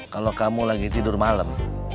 kalau kamu lagi tidur malam